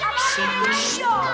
apa sih ini meja kita